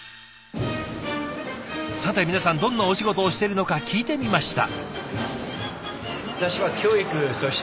さて皆さんどんなお仕事をしてるのか聞いてみました。